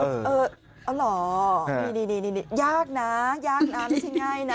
เอาเหรอนี่ยากนะยากนะไม่ใช่ง่ายนะ